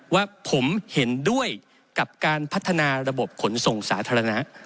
ว่าผมเห็นด้วยกับการพัฒนาระบบขนส่งสาธารณะ